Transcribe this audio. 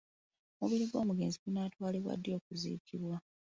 Omubiri gw'omugenzi gunaatwalibwa ddi okuziikibwa?